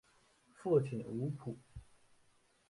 父亲吴甫。